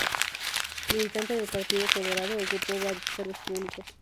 Militante del Partido Colorado, ocupó varios cargos públicos.